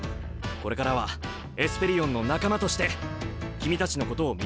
これからはエスペリオンの仲間として君たちのことを見習わせてくれ！